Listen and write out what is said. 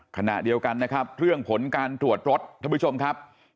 ขณะเดียวกันนะครับเรื่องผลการตรวจรถท่านผู้ชมครับ